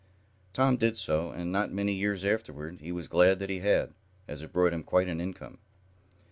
Tom did so, and, not many years afterward he was glad that he had, as it brought him quite an income.